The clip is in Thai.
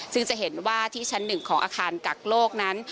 ซึ่งจะเห็นว่าที่ชั้นหนึ่งของอาคารกักโลกนั้น